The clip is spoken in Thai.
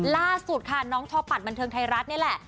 ล่าสุดค่ะน้องทอปัดบันเทิงไทยรัฐนี่แหละ